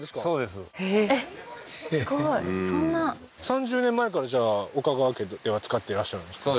すごいそんな３０年前からじゃあ岡川家では使ってらっしゃるんですか？